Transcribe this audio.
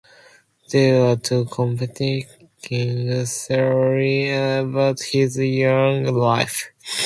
There are two competing theories about his young life.